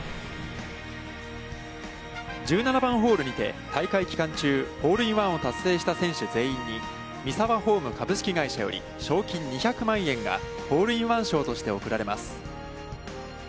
１７番ホールにて大会期間中ホールインワンを達成した選手全員にミサワホーム株式会社より賞金２００万円がホールインワン賞として贈られます。